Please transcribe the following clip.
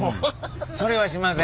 それはしません。